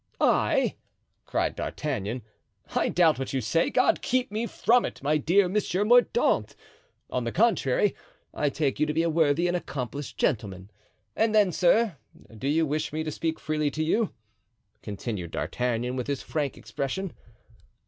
"I!" cried D'Artagnan, "I doubt what you say! God keep me from it, my dear Monsieur Mordaunt! On the contrary, I take you to be a worthy and accomplished gentleman. And then, sir, do you wish me to speak freely to you?" continued D'Artagnan, with his frank expression.